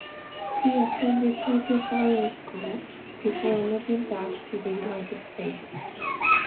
She attended Tokyo Foreign School before moving back to the United States.